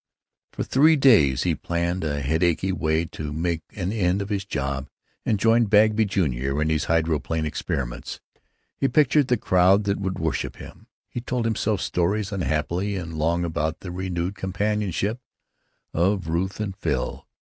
For three days he planned in a headachy way to make an end of his job and join Bagby, Jr., in his hydroaeroplane experiments. He pictured the crowd that would worship him. He told himself stories unhappy and long about the renewed companionship of Ruth and Phil.